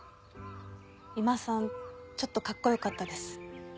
三馬さんちょっとかっこよかったです。